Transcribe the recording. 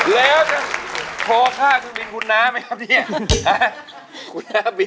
เดี๋ยวมาจากที่ไหนนะครับ